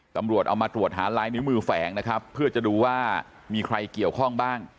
ตำรวจเอามาตรวจหาลายนิ้วมือแฝงนะครับเพื่อจะดูว่ามีใครเกี่ยวข้องบ้าง